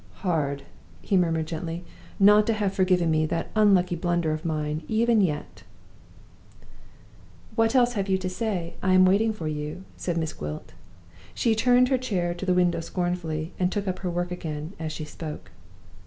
"Hard," he murmured, gently, "not to have forgiven me that unlucky blunder of mine, even yet!" "What else have you to say? I am waiting for you," said Miss Gwilt. She turned her chair to the window scornfully, and took up her work again, as she spoke.